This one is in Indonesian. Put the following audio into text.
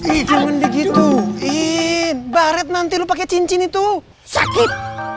ih di cuman begitu ih baret nanti pakai cincin itu sakit